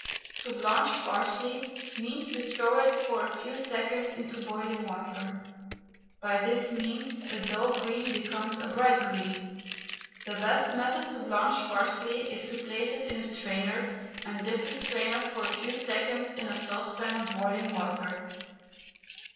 To blanch parsley means to throw it for a few seconds into boiling water. By this means a dull green becomes a bright green. The best method to blanch parsley is to place it in a strainer and dip the strainer for a few seconds in a saucepan of boiling water.